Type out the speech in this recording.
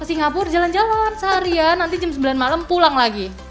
singapura jalan jalan seharian nanti jam sembilan malam pulang lagi